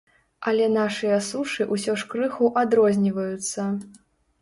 Але нашыя сушы ўсё ж крыху адрозніваюцца.